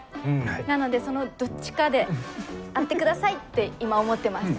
なのでそのどっちかであってくださいって今思ってます。